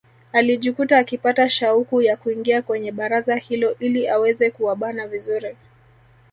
Alijikuta akipata shauku ya kuingia kwenye baraza hilo ili aweze kuwabana vizuri